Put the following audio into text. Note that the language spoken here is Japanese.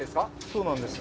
そうなんです。